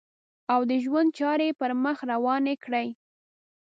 او د ژوند چارې یې پر مخ روانې کړې.